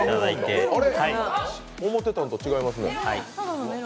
あれ、思ってたのと違いますね。